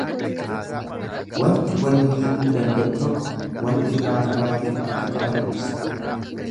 Wanti wal miidhuu danda'u tokko wal irraa fagaachuu akka qaban ibsa.